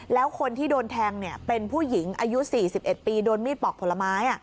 แล้วคนที่โดนแทงเป็นผู้หญิงอายุ๔๑ปีโดนมีดปอกผลไม้